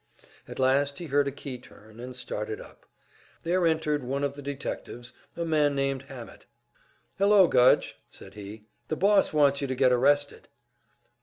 At last he heard a key turn, and started up. There entered one of the detectives, a man named Hammett. "Hello, Gudge," said he. "The boss wants you to get arrested."